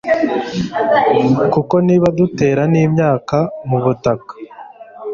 kuko niba dutera n'imyaka mu butaka